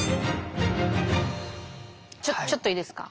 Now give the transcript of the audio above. ちょちょっといいですか？